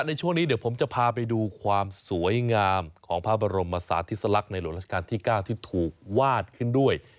ในช่วงนี้เดี๋ยวผมจะพาไปดูความสวยงามของพระบรมศาสติสลักษณ์ในหลวงราชการที่๙ที่ถูกวาดขึ้นด้วย